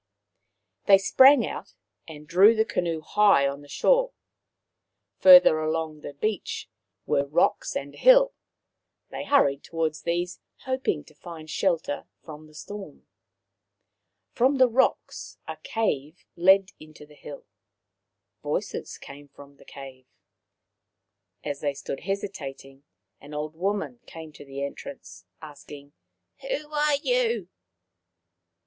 They sprang out and drew the canoe high on the shore. Further along the beach were rocks 170 Maoriland Fairy Tales and a hill. They hurried towards these, hoping to find shelter from the storm. From the rocks a cave led into the hill. Voices came from the cave. As they stood hesitating, an old woman came to the entrance, asking," Who are you